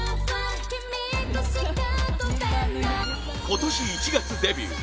今年１月デビュー